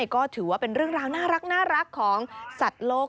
ก็ถือว่าเป็นเรื่องราวน่ารักของสัตว์โลก